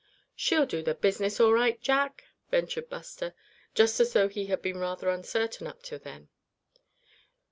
"She'll do the business all right, Jack !" ventured Buster, just as though he had been rather uncertain up to then.